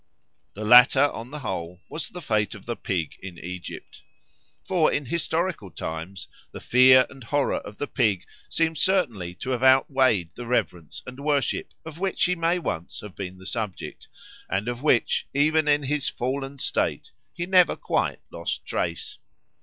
The latter, on the whole, was the fate of the pig in Egypt. For in historical times the fear and horror of the pig seem certainly to have outweighed the reverence and worship of which he may once have been the object, and of which, even in his fallen state, he never quite lost trace.